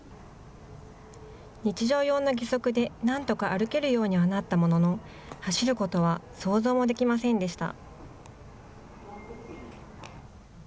日常用の義足でなんとか歩けるようにはなったものの走ることは想像もできませんでした。